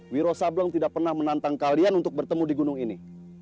wiro sableng tidak pernah menantang kalian untuk bertemu di gunung ini